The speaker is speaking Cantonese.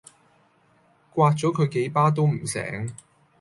摑左佢幾巴都唔醒